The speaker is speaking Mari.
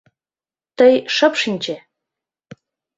Тый шып шинче!